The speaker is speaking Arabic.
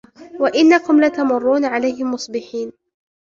وإنكم لتمرون عليهم مصبحين